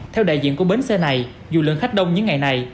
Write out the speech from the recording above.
theo đại diện của bến xe này dù lượng khách đông những ngày này